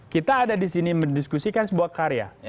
kita ada disini mendiskusikan sebuah karya